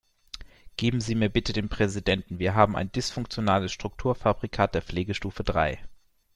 Geben Sie mir bitte den Präsidenten, wir haben ein dysfunktionales Strukturfabrikat der Pflegestufe drei.